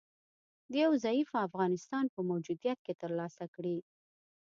د یو ضعیفه افغانستان په موجودیت کې تر لاسه کړي